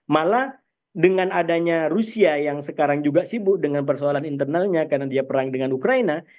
malah dengan adanya rusia yang sekarang juga sibuk dengan persoalan internalnya karena dia perang dengan ukraina